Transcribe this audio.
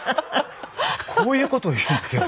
こういう事を言うんですよ。